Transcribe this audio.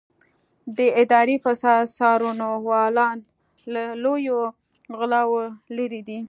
د اداري فساد څارنوالان له لویو غلاوو لېرې دي.